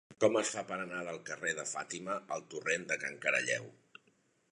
Com es fa per anar del carrer de Fàtima al torrent de Can Caralleu?